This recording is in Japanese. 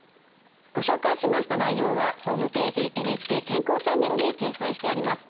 ご紹介しました内容はホームページ「ＮＨＫ健康チャンネル」に掲載してあります。